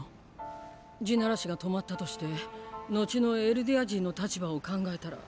「地鳴らし」が止まったとして後のエルディア人の立場を考えたら。